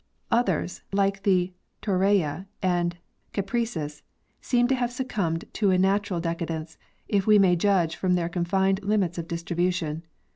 Others, like the TYorreya and Cupressus, seem to haye suc cumbed to a natural decadence, if we may judge from their confined limits of distribution.